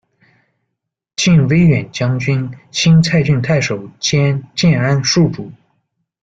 进威远将军、新蔡郡太守，兼建安戍主。